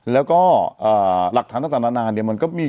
แล้วก็หลักฐานต่างนานาเนี่ยมันก็มี